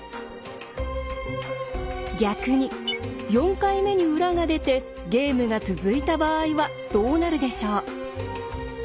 逆に４回目に裏が出てゲームが続いた場合はどうなるでしょう。